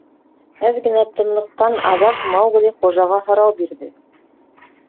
— Әҙ генә тынлыҡтан аҙаҡ Маугли хужаға һорау бирҙе.